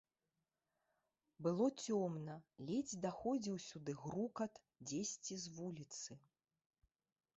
Было цёмна, ледзь даходзіў сюды грукат дзесьці з вуліцы.